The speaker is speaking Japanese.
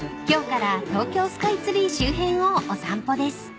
［今日から東京スカイツリー周辺をお散歩です］